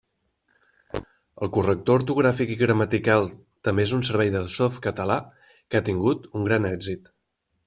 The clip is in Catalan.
El corrector ortogràfic i gramatical també és un servei de Softcatalà que ha tingut un gran èxit.